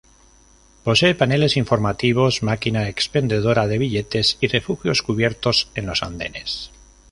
Posee paneles informativos, máquina expendedora de billetes y refugios cubiertos en los andenes.